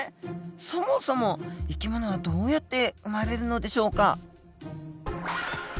そもそも生き物はどうやって生まれるのでしょうか？